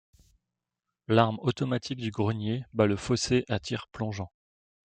L'arme automatique du grenier bat le fossé à tir plongeant.